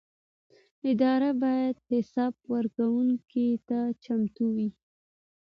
ادارې باید حساب ورکونې ته چمتو وي